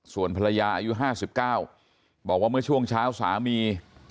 ส่วนภรรยาอายุ๕๙บอกว่าเมื่อช่วงเช้าสามี